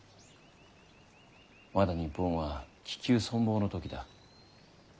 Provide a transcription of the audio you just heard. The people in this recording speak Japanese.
まだ日本は危急存亡のときだ。